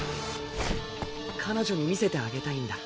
彼女に見せてあげたいんだ。